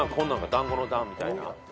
団子の「団」みたいな。